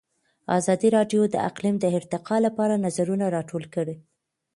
ازادي راډیو د اقلیم د ارتقا لپاره نظرونه راټول کړي.